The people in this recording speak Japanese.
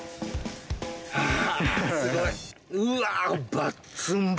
あすごい。